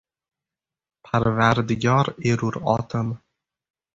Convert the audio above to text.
Parvardigor erur otim.